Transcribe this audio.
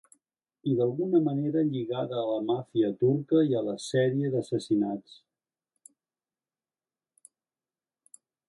I d'alguna manera lligada a la màfia turca i a la sèrie d'assassinats.